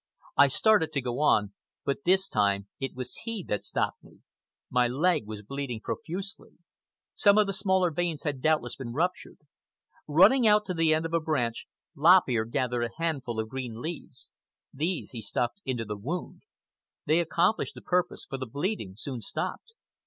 I started to go on, but this time it was he that stopped me. My leg was bleeding profusely. Some of the smaller veins had doubtless been ruptured. Running out to the end of a branch, Lop Ear gathered a handful of green leaves. These he stuffed into the wound. They accomplished the purpose, for the bleeding soon stopped.